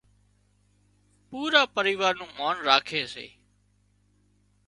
پُورا پريوار نُون مانَ راکي سي